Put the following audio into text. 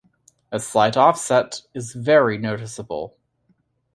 A slight offset is very noticeable.